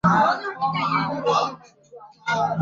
博物馆免费入场。